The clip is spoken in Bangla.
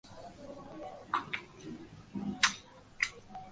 রাষ্ট্রপক্ষের দাখিল করা কোনো দালিলিক নথিতে তাঁকে আলবদর বাহিনীর প্রধান বলা হয়নি।